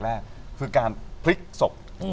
และจึงเป็นบิดปลิ๊กศพ